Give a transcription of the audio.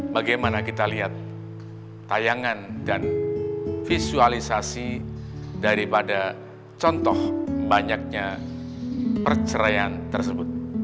bagaimana kita lihat tayangan dan visualisasi daripada contoh banyaknya perceraian tersebut